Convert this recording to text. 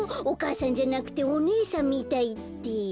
お母さんじゃなくておねえさんみたいって。